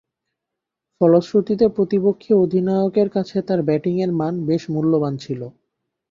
ফলশ্রুতিতে প্রতিপক্ষীয় অধিনায়কের কাছে তার ব্যাটিংয়ের মান বেশ মূল্যবান ছিল।